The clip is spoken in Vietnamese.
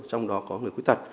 trong đó có người khuyết tật